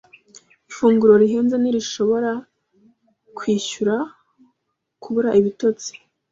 Ifunguro rihenze ntirishobora kwishyura kubura ibitotsi.